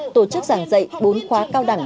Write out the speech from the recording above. tổ chức giảng dạy bốn khóa cao đẳng